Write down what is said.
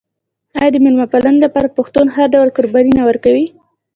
آیا د میلمه پالنې لپاره پښتون هر ډول قرباني نه ورکوي؟